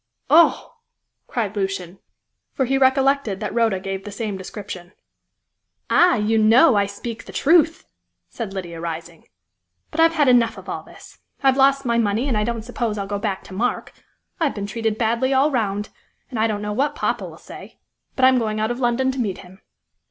"Oh!" cried Lucian, for he recollected that Rhoda gave the same description. "Ah! you know I speak the truth!" said Lydia, rising, "but I've had enough of all this. I've lost my money, and I don't suppose I'll go back to Mark. I've been treated badly all round, and I don't know what poppa will say. But I'm going out of London to meet him."